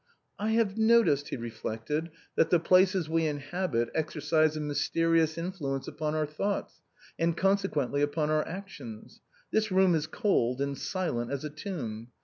" I have noticed," he reflected, " that the places we in habit exercise a mysterious influence upon our thoughts, and consequently upon our actions. This room is cold and silent as a tomb.